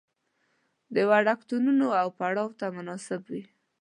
د وړکتونونو او پړاو ته مناسب وي.